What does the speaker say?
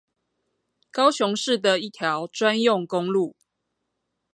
高雄市的一條專用公路